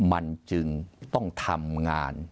มันจึงต้องทำงาน